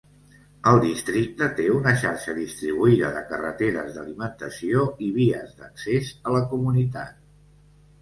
El districte té una xarxa distribuïda de carreteres d'alimentació i vies d'accés a la comunitat.